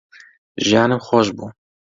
ژیانم خۆش بوو